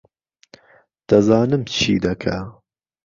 دەزانم چی دەکا